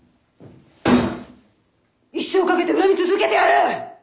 一生かけて恨み続けてやる！